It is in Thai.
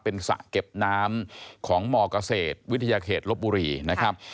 เป็นสระเก็บน้ำของมเกษตรวิทยาเขตลบบุรีนะครับ